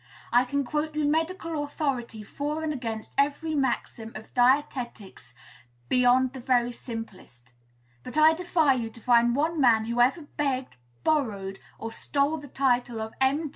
I can quote you medical authority for and against every maxim of dietetics beyond the very simplest; but I defy you to find one man who ever begged, borrowed, or stole the title of M.